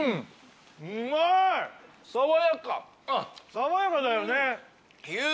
爽やかだよね！